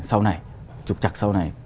sau này trục trặc sau này